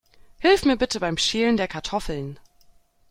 Hilf mir bitte beim Schälen der Kartoffeln.